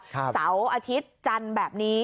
เสาร์อาทิตย์จันทร์แบบนี้